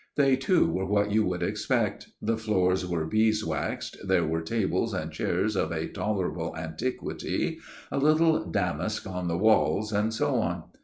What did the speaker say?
They, too, were what you would expect : the floors were beeswaxed ; there were tables and chairs of a tolerable antiquity ; a little damask on the walls, and so on.